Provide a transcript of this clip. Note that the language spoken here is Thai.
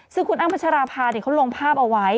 ซึ่งคุณอ้ำพัชราภาเขาลงภาพเอาไว้